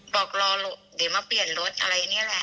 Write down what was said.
บอกรอเดี๋ยวมาเปลี่ยนรถอะไรนี่แหละ